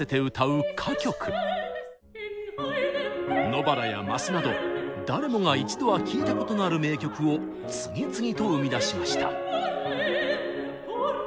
「野ばら」や「ます」など誰もが一度は聴いたことのある名曲を次々と生み出しました。